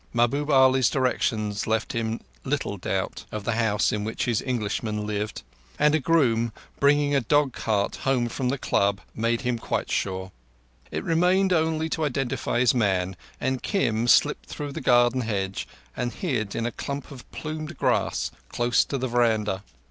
Mahbub Ali's directions left him little doubt of the house in which his Englishman lived; and a groom, bringing a dog cart home from the Club, made him quite sure. It remained only to identify his man, and Kim slipped through the garden hedge and hid in a clump of plumed grass close to the veranda.